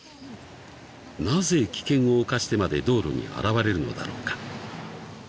［なぜ危険を冒してまで道路に現れるのだろうか？］